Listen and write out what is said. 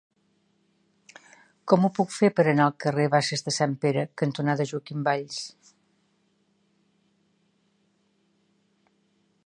Com ho puc fer per anar al carrer Basses de Sant Pere cantonada Joaquim Valls?